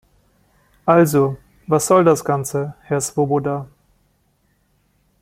Also, was soll das Ganze, Herr Swoboda?